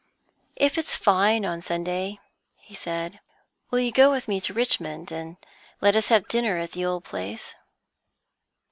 "If it's fine on Sunday," he said, "will you go with me to Richmond, and let us have dinner at the old place?"